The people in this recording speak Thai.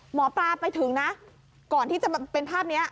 หมอปลาไปถึงนะก่อนที่จะมาเป็นภาพนี้